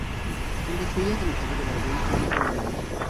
কিন্তু শুইয়া কেন থাকিতে পারবে এই চঞ্চলা নারী?